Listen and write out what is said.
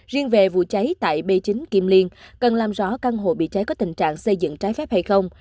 riêng về vụ cháy tại b chín kim liên cần làm rõ căn hộ bị cháy có tình trạng xây dựng trái phép hay không